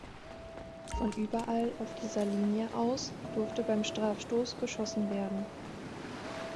Von überall auf dieser Linie aus durfte beim Strafstoß geschossen werden.